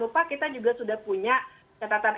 lupa kita juga sudah punya catatan